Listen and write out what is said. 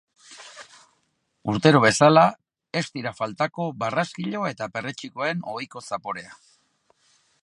Urtero bezala, ez dira faltako barraskilo eta perretxikoen ohiko zaporea.